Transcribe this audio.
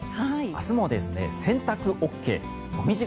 明日も洗濯ＯＫモミジ